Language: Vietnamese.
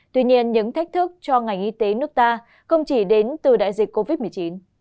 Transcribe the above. tuy nhiên những thách thức cho ngành y tế nước ta không chỉ đến từ đại dịch covid một mươi chín